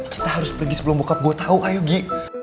kita harus pergi sebelum bokap gua tau ayo gi